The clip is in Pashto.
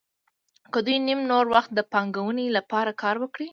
که دوی نیم نور وخت د پانګوال لپاره کار وکړي